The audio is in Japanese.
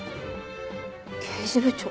刑事部長？